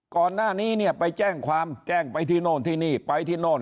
ก่อนหน้านี้เนี่ยไปแจ้งความแจ้งไปที่โน่นที่นี่ไปที่โน่น